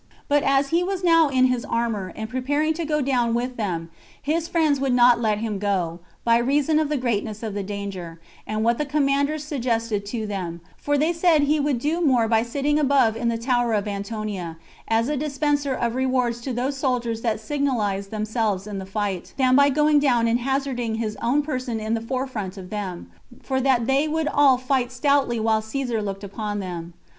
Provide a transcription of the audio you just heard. But as he was now in his armor, and preparing to go down with them, his friends would not let him go, by reason of the greatness of the danger, and what the commanders suggested to them; for they said that he would do more by sitting above in the tower of Antonia, as a dispenser of rewards to those soldiers that signalized themselves in the fight, than by coming down and hazarding his own person in the forefront of them; for that they would all fight stoutly while Caesar looked upon them.